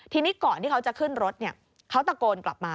ทีนี้ก่อนที่เขาจะขึ้นรถเขาตะโกนกลับมา